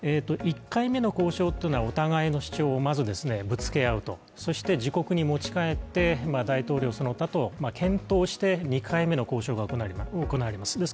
１回目の交渉というのは、お互いの主張をぶつけあうと、そして自国に持ち帰って大統領その他と検討して２回目の交渉が行われます。